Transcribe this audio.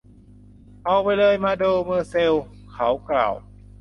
ไปเลยมาเดอโมแซล เขากล่าว